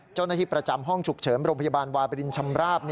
เจ้าหน้าที่ประจำห้องฉุกเฉินโรงพยาบาลวาบรินชำราบ